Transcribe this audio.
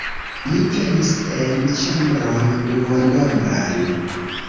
Ni venis en ĉambron duonombran.